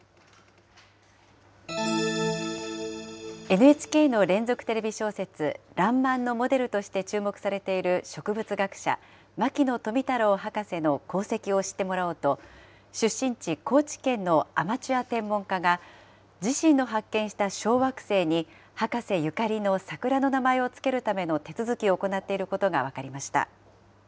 ＮＨＫの連続テレビ小説、らんまんのモデルとして注目されている植物学者、牧野富太郎博士の功績を知ってもらおうと、出身地、高知県のアマチュア天文家が、自身の発見した小惑星に博士ゆかりの桜の名前を付けるための手続きを行っていることが分かりました。